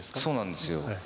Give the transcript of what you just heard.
そうなんですよ。